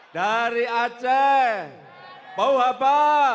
dari aceh pauhaba